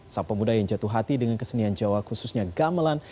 sang pemuda yang jatuh hati dengan kesenian jawa khususnya gamelan